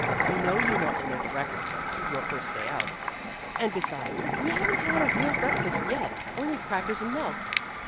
"We know you want to make a record, your first day out. And, besides, we haven't had a real breakfast yet, only crackers and milk."